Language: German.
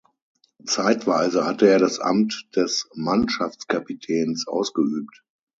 Zeitweise hatte er das Amt des Mannschaftskapitäns ausgeübt.